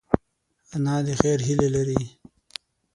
انا د خیر هیله لري